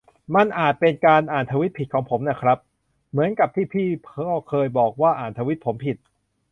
มันอาจจะเป็นการอ่านทวีตผิดของผมน่ะครับ เหมือนกับที่พี่ก็เคยบอกว่าอ่านทวีตผมผิด